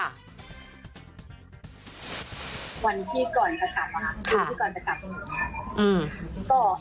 วันที่ก่อนจะกลับนะครับ